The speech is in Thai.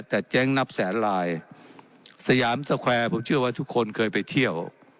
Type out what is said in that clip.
แต่เจ๊งนับแสนลายสยามสแควร์ผมเชื่อว่าทุกคนเคยไปเที่ยว